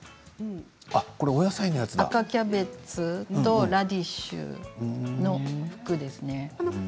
赤キャベツとラディッシュです。